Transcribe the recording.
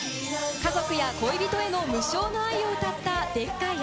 家族や恋人への無償の愛を歌った『でっかい愛』。